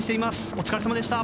お疲れさまでした。